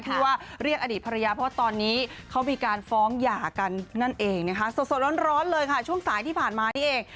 ที่ว่าเรียกอดีตภรรยาเพราะว่าตอนนี้เขามีการฟ้องหย่ากันนั่นเองนะคะสดร้อนเลยค่ะช่วงสายที่ผ่านมานี่เอง